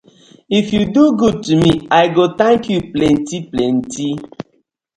If yu do good to me, I go tank yu plenty plenty.